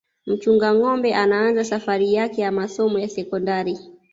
mchunga ngâombe anaanza safari yake ya masomo ya sekondari